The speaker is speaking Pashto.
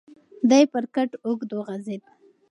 دی پر کټ اوږد وغځېد.